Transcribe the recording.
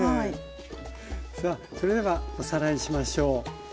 さあそれではおさらいしましょう。